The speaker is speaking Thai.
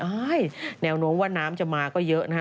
แนวโน้มว่าน้ำจะมาก็เยอะนะฮะ